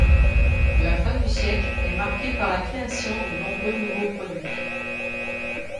La fin du siècle est marquée par la création de nombreux nouveaux produits.